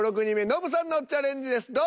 ６人目ノブさんのチャレンジです。